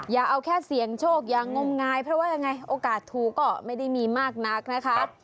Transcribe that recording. อย่าเอาแค่เสี่ยงโชคอย่างมงายเพราะว่ายังไงโอกาสถูกก็ไม่ได้มีมากนักนะคะ